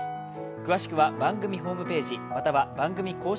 詳しくは番組ホームページ、または番組公式